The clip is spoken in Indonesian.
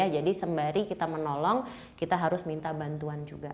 jadi sembari kita menolong kita harus minta bantuan juga